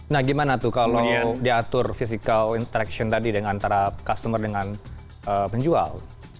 nah gimana tuh kalau diatur physical interaction tadi antara customer dengan penjual